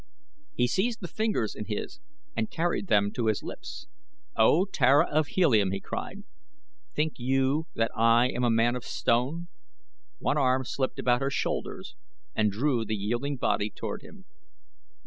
He seized the fingers in his and carried them to his lips. "O, Tara of Helium," he cried. "Think you that I am a man of stone?" One arm slipped about her shoulders and drew the yielding body toward him.